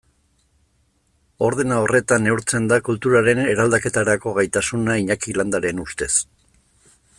Ordena horretan neurtzen da kulturaren eraldaketarako gaitasuna Iñaki Landaren ustez.